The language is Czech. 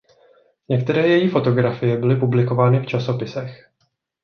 Některé její fotografie byly publikovány v časopisech.